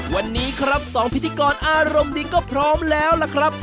วันนี้ครับสองพิธีกรอารมณ์ดีก็พร้อมแล้วล่ะครับ